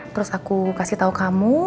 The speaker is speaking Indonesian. terus aku kasih tahu kamu